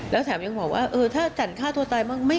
แล้วแถมยังบอกว่าเออถ้าจันฆ่าตัวตายบ้าง